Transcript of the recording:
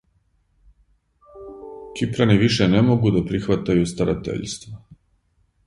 Кипрани више не могу да прихватају старатељство.